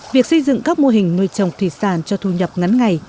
việc xây dựng các mô hình nuôi trồng thủy sản cho thu nhập ngắn ngày